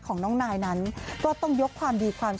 ของน้องนายนั้นก็ต้องยกความดีความ